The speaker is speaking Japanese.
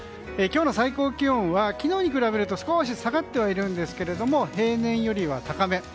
今日の最高気温は昨日に比べると少し下がってはいるんですが平年よりは高め。